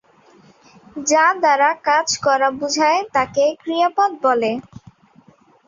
যা দ্বারা কাজ করা বুঝায় তাকে ক্রিয়াপদ বলে।